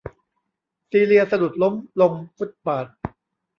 ซีเลียสะดุดล้มลงฟุตบาธ